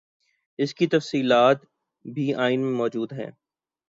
اس کی تفصیلات بھی آئین میں موجود ہیں۔